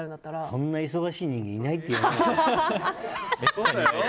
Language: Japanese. そんな忙しい人間いないって。